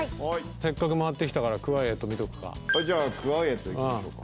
せっかく回ってきたからクワイエット見とくかじゃあクワイエットいきましょうか